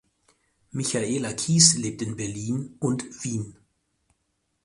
Michaela Kis lebt in Berlin und Wien.